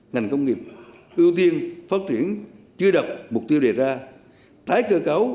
ngành công nghiệp ưu tiên phát triển chưa đọc mục tiêu đề ra